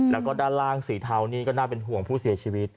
แล้วก็ด้านล่างสีเทานี่ก็น่าเป็นห่วงผู้เสียชีวิต